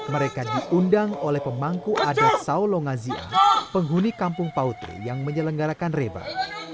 mereka diundang oleh pemangku adat saulongazia penghuni kampung pautri yang menyelenggarakan rebah